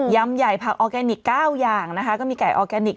ยำใหญ่ผักอออร์แกนิกเก้ายางนะคะก็มีไข่ออร์แกนิก